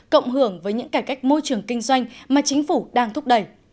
cộng hưởng với những cải cách môi trường kinh doanh mà chính phủ đang thúc đẩy